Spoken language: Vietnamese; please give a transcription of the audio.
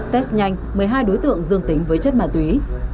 test nhanh một mươi hai đối tượng dương tính với chất ma túy